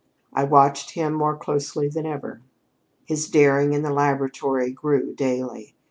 I watched him more closely than ever. His daring in the laboratory grew daily.